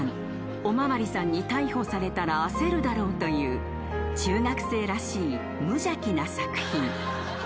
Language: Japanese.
お巡りさんに逮捕されたら焦るだろうという中学生らしい無邪気な作品］